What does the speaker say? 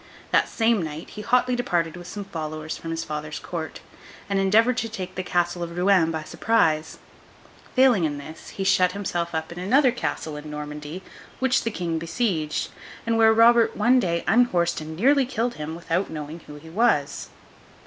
That same night, he hotly departed with some followers from his father's court, and endeavoured to take the Castle of Rouen by surprise. Failing in this, he shut himself up in another Castle in Normandy, which the King besieged, and where Robert one day unhorsed and nearly killed him without knowing who he was.